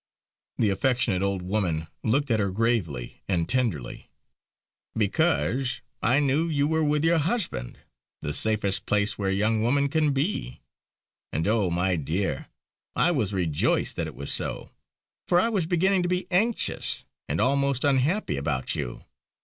The affectionate old woman looked at her gravely and tenderly: "Because I knew you were with your husband; the safest place where a young woman can be. And oh! my dear, I was rejoiced that it was so; for I was beginning to be anxious, and almost unhappy about you.